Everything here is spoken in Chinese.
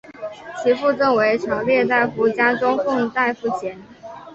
其父赠为朝列大夫加中奉大夫衔。